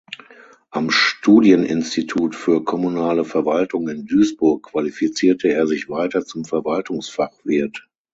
Am Studieninstitut für kommunale Verwaltung in Duisburg qualifizierte er sich weiter zum Verwaltungsfachwirt.